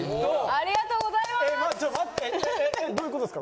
ありがとうございます！